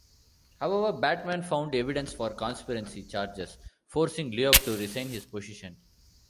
However, Batman found evidence for conspiracy charges, forcing Loeb to resign his position.